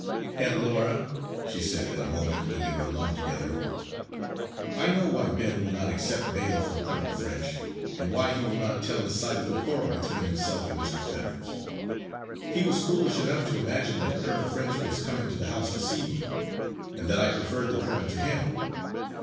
"Aunt Laura," she said, at a moment when they were alone together, "I know why Ben will not accept bail from Colonel French, and why he will not tell his side of the quarrel between himself and Mr. Fetters. He was foolish enough to imagine that Colonel French was coming to the house to see me, and that I preferred the colonel to him.